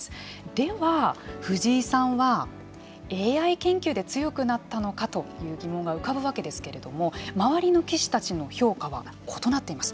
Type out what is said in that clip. では、藤井さんはＡＩ研究で強くなったのかという疑問が浮かぶわけですけれども周りの棋士たちの評価は異なっています。